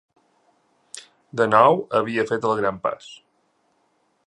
De nou havia fet el gran pas.